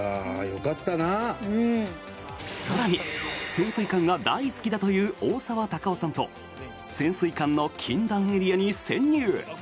更に、潜水艦が大好きだという大沢たかおさんと潜水艦の禁断エリアに潜入。